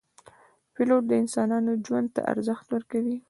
پیلوټ د انسانانو ژوند ته ارزښت ورکوي.